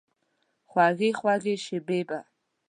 خوږې، خوږې شیبې به،